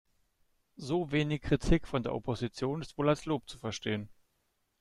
So wenig Kritik von der Opposition ist wohl als Lob zu verstehen.